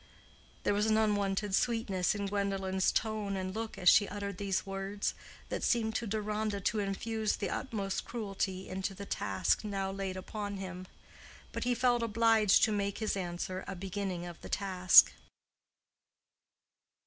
There was an unwonted sweetness in Gwendolen's tone and look as she uttered these words that seemed to Deronda to infuse the utmost cruelty into the task now laid upon him. But he felt obliged to make his answer a beginning of the task.